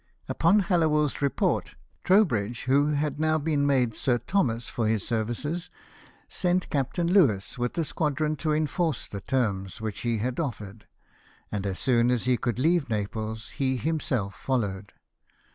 Upon Hallowell's report, Trowbridge, who had now been made Sir Thomas for his services, sent Captain Louis, with a squadron, to enforce the terms which he had offered, and as soon as he could leave Naples he himself followed.